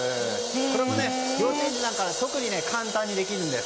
これも幼稚園児でも特に簡単にできるんです。